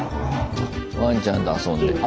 わんちゃんと遊んでる。